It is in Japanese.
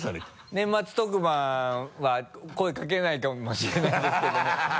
年末特番は声かけないかもしれないですけども。